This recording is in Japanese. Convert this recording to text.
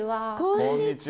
こんにちは。